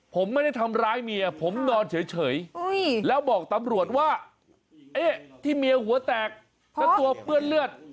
ผมไม่ได้ทำร้ายเมียผมนอนเฉยแล้วบอกตำรวจว่าเอ๊ะที่เมียหัวแตกแล้วตัวเปื้อนเลือด